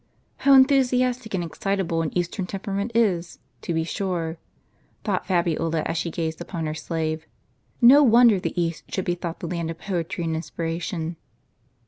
" How enthusiastic and excitable an Eastern temperament is, to be sure !" thought Fabiola, as she gazed upon her slave. " JSTo wonder the East should be thought the land of poetry and inspiration."